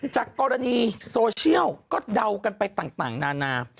จากกรณีโซเชียลก็เดากันไปต่างนานา